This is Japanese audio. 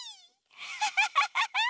ハハハハハ！